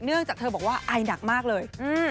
เนื่องจากเธอบอกว่าอายหนักมากเลย